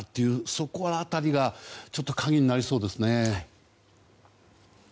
そこの辺りがちょっと鍵になりそうですね。